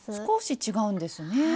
少し違うんですね。